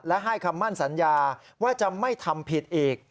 และให้คำมั่นสัญญาว่าจะไม่ทำผิดอีก